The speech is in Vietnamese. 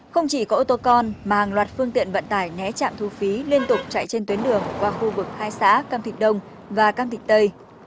không chỉ có ô tô con mà hàng loạt phương tiện vận tải né trạm thu phí liên tục chạy trên tuyến đường qua khu vực hai xã cam thịnh đông và cam thịnh tây